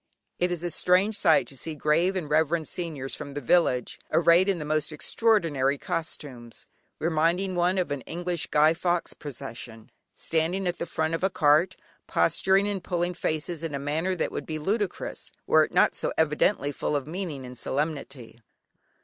It is a strange sight to see "grave and reverend seigneurs" from the village, arrayed in the most extraordinary costumes, reminding one of an English Guy Fawkes procession, standing at the front of a cart, posturing and pulling faces, in a manner that would be ludicrous, were it not so evidently full of meaning and solemnity.